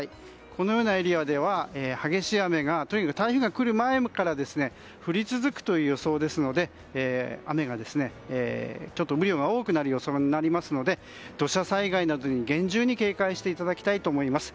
このようなエリアでは激しい雨がとにかく台風が来る前から降り続くという予想ですので雨量が多くなる予想になりますので土砂災害などに厳重に警戒していただきたいと思います。